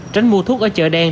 tránh mua thuốc ở chợ đen